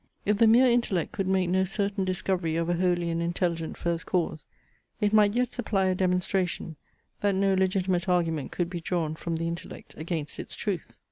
If the mere intellect could make no certain discovery of a holy and intelligent first cause, it might yet supply a demonstration, that no legitimate argument could be drawn from the intellect against its truth.